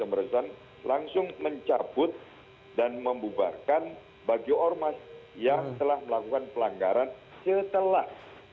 pemerintahan langsung mencabut dan membubarkan bagi ormas yang telah melakukan pelanggaran setelah